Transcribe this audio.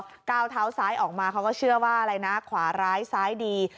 พอก้าวเท้าซ้ายออกมาเขาก็เชื่อว่าอะไรนะขวาร้ายซ้ายดี